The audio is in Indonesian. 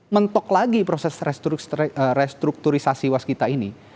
mentok lagi proses restrukturisasi waskita ini